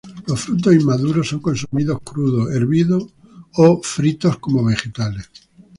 Los frutos inmaduros son consumidos crudos, hervidos o fritos como vegetales.